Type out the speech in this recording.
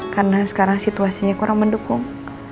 karena sekarang situasinya kurang mendukung